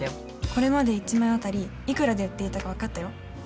これまで１枚あたりいくらで売っていたかわかったよ。